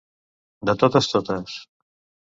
De totes totes.